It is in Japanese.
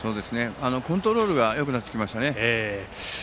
コントロールがよくなってきましたね。